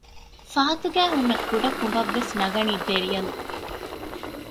ފަހަތުގައި ހުންނަ ކުޑަ ކުނބަށް ވެސް ނަގަނީ ދެރިޔަލު